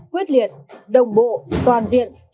quyết liệt đồng bộ toàn diện